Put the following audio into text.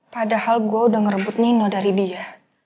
padahal gue udah ngerebut nino dari dia